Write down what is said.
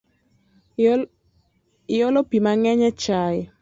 Iolo pii mangeny e chai